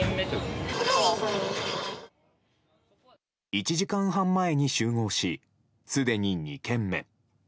１時間半前に集合しすでに２軒目。